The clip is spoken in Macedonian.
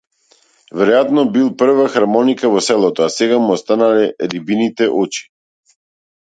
Веројатно бил прва хармоника во селото, а сега му останале рибините очи.